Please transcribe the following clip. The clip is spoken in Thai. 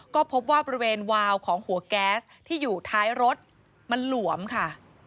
ก็พบว่าบริเวณวาวของหัวแก๊สที่อยู่ท้ายรถมันหลวมค่ะ